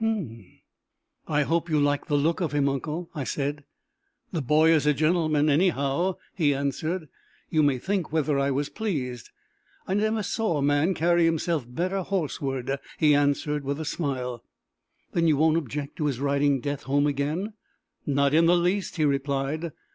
"H'm!" "I hope you liked the look of him, uncle!" I said. "The boy is a gentleman anyhow!" he answered. "You may think whether I was pleased! I never saw man carry himself better horseward!" he added with a smile. "Then you won't object to his riding Death home again?" "Not in the least!" he replied.